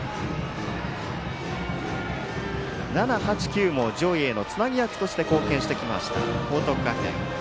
７、８、９も上位へのつなぎ役として貢献してきました、報徳学園。